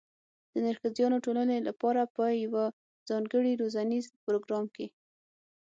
د نرښځیانو ټولنې لپاره په یوه ځانګړي روزنیز پروګرام کې